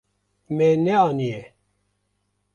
Me neaniye.